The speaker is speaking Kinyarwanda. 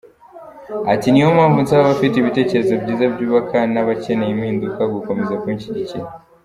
Ati’’Niyo mpamvu nsaba abafite ibitekerezo byiza byubaka n’abakeneye impinduka gukomeza kunshyigikira.